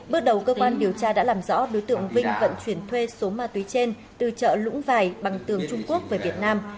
bước đầu cơ quan điều tra đã làm rõ đối tượng vinh vận chuyển thuê số ma túy trên từ chợ lũng vài bằng tường trung quốc về việt nam